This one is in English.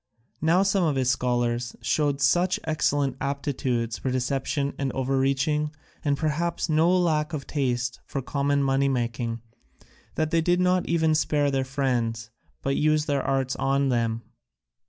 Now some of his scholars showed such excellent aptitudes for deception and overreaching, and perhaps no lack of taste for common money making, that they did not even spare their friends, but used their arts on them.